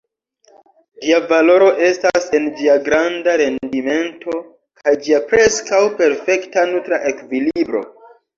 Ĝia valoro estas en ĝia granda rendimento kaj ĝia preskaŭ perfekta nutra ekvilibro.